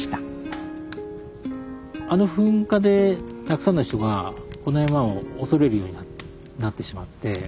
あの噴火でたくさんの人がこの山を恐れるようになってしまって。